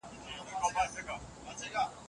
هغه ملګری چې په هوټل کې و، اوس په کرهڼه بوخت دی.